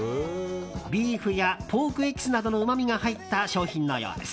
ビーフやポークエキスなどのうまみが入った商品のようです。